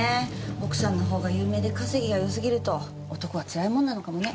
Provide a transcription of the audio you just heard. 奥さんのほうが有名で稼ぎが良すぎると男はつらいものなのかもね。